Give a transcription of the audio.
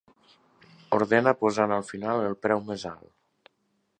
Ordena posant al final el preu més alt.